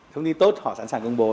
thông tin tốt họ sẵn sàng công bố